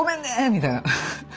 みたいな。